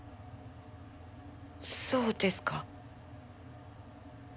そうですか？